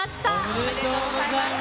おめでとうございます。